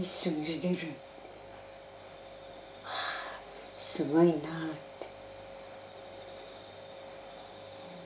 はあすごいなって。